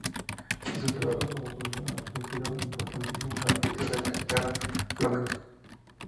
De su trabajo como profesor han surgido importantísimos artistas de la guitarra flamenca.